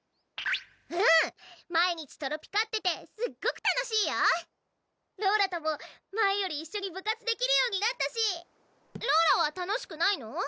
うん毎日トロピカっててすっごく楽しいよローラとも前より一緒に部活できるようになったしローラは楽しくないの？